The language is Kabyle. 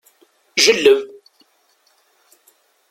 Ǧelleb!